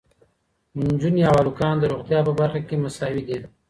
نجونې او هلکان د روغتیا په برخه کې مساوي دي.